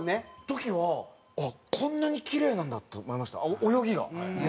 時はこんなにキレイなんだって思いました泳ぎが。